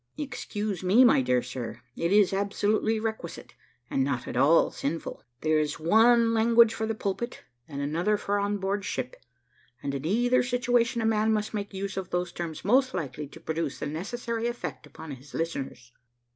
"Excuse me, my dear sir; it is absolutely requisite, and not at all sinful. There is one language for the pulpit, and another for on board ship, and, in either situation, a man must make use of those terms most likely to produce the necessary effect upon his listeners.